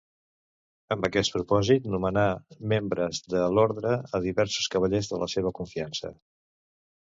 Amb aquest propòsit nomenà membres de l'orde a diversos cavallers de la seva confiança.